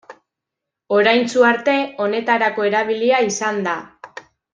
Oraintsu arte, honetarako erabilia izan da.